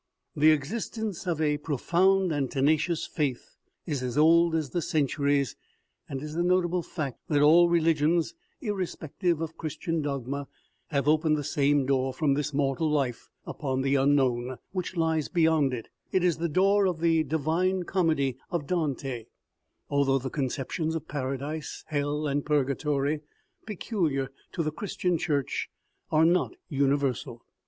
The existence of a profound and tenacious faith is as old as the centuries, and it is a notable fact that all relig ions, irrespective of Christian dogma, have opened the same door from this mortal life upon the unknown which lies beyond, it is the door of the Divine Comedy of Dante, although the conceptions of paradise, hell and purgatory peculiar to the Christian Church, are not universal.